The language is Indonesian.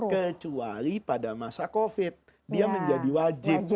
kecuali pada masa covid dia menjadi wajib